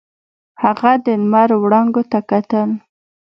هغه د لمر وړانګو ته کتل.